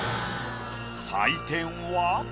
採点は。